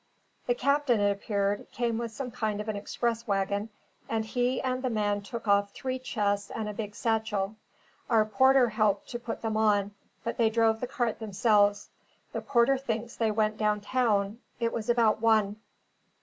"The captain," it appeared, "came with some kind of an express waggon, and he and the man took off three chests and a big satchel. Our porter helped to put them on, but they drove the cart themselves. The porter thinks they went down town. It was about one."